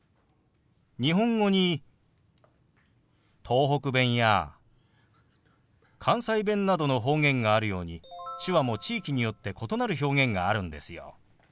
日本語に東北弁や関西弁などの方言があるように手話も地域によって異なる表現があるんですよ。